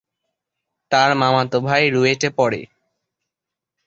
তার মামাতো ভাই রুয়েটে পড়ে।